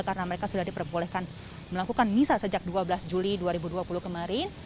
karena mereka sudah diperbolehkan melakukan misal sejak dua belas juli dua ribu dua puluh kemarin